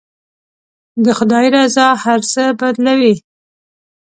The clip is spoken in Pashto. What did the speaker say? د خدای رضا هر څه بدلوي.